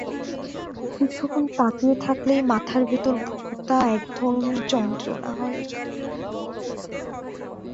কিছুক্ষণ তাকিয়ে থাকলেই মাথার ভেতর ভোঁতা এক ধরনের যন্ত্রণা হয়।